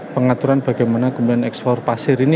pengaturan bagaimana kemudian ekspor pasir ini